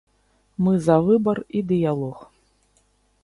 Мы за выбар і дыялог.